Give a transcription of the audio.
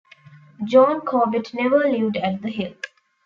John Corbett never lived at The Hill.